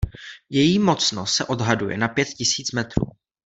Její mocnost se odhaduje na pět tisíc metrů.